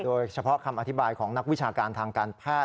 โดยเฉพาะคำอธิบายของนักวิชาการทางการแพทย์